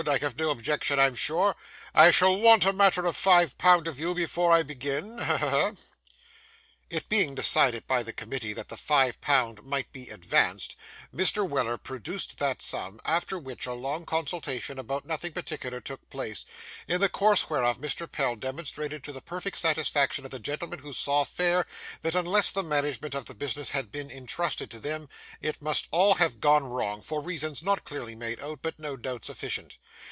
I have no objections, I'm sure. I shall want a matter of five pound of you before I begin, ha! ha! ha!' It being decided by the committee that the five pound might be advanced, Mr. Weller produced that sum; after which, a long consultation about nothing particular took place, in the course whereof Mr. Pell demonstrated to the perfect satisfaction of the gentlemen who saw fair, that unless the management of the business had been intrusted to him, it must all have gone wrong, for reasons not clearly made out, but no doubt sufficient.